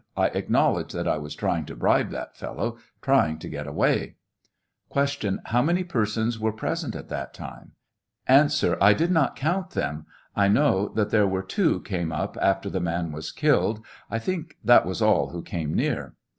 I acknowledge that I was_ trying to bribe that fellow — trying to get Q. How many persons were present at that time ? A. I did not count them ; I know that there were two came up after the man was killed. I think that was all who came near.